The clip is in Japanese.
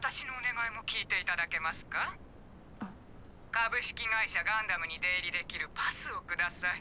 「株式会社ガンダム」に出入りできるパスを下さい。